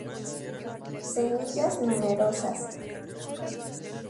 Semillas numerosas.